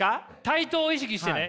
対等を意識してね